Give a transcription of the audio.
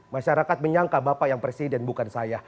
masyarakat menyangka bapak yang presiden bukan saya